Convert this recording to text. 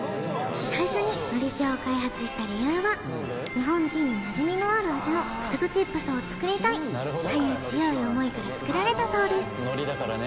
最初にのり塩を開発した理由は日本人になじみのある味のポテトチップスを作りたいという強い思いから作られたそうです